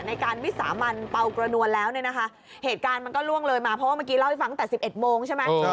ในการวิสามันเป่ากระนวลแล้วเนี่ยนะคะเหตุการณ์มันก็ล่วงเลยมาเพราะว่าเมื่อกี้เล่าให้ฟังตั้งแต่๑๑โมงใช่ไหม